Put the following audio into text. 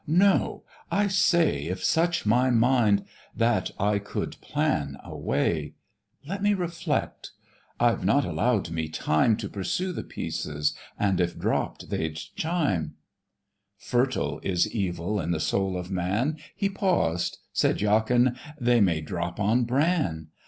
No. I say, If such my mind, that I could plan a way; Let me reflect; I've not allow'd me time To purse the pieces, and if dropp'd they'd chime:" Fertile is evil in the soul of man. He paused, said Jachin, "They may drop on bran.